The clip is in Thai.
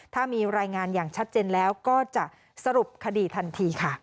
ถ้ามีรายงานอย่างชัดเจนแล้วก็จะสรุปคดีทันทีค่ะ